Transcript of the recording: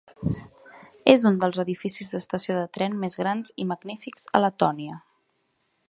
És un dels edificis d'estació de tren més grans i magnífics a Letònia.